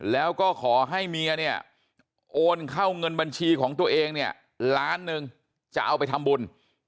แล้วก็ขอให้เมียเนี่ยโอนเข้าเงินบัญชีของตัวเองเนี่ยล้านหนึ่งจะเอาไปทำบุญ